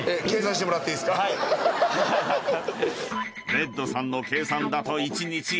［レッドさんの計算だと一日１８０本］